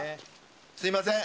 すみません。